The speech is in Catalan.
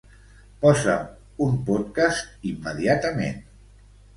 Posa'm un podcast immediatament.